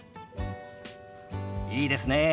いいですねえ。